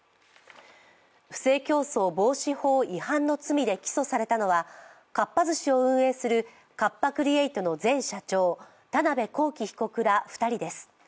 不正競争防止法違反の罪で起訴されたのはかっぱ寿司を運営するカッパ・クリエイトの前社長、田辺公己被告ら２人です。